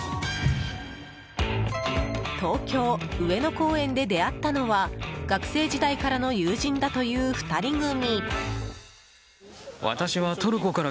東京・上野公園で出会ったのは学生時代からの友人だという２人組。